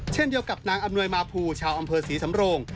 เช่นเดียวกับนางอำนวยมาภูชาวอำเภอศรีสำโรง